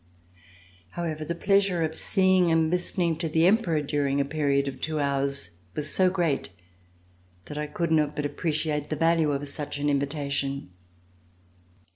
However, the pleasure of seeing and listening to the Emperor during a period of two hours was so great that I could not but appreciate the value of such an invitation.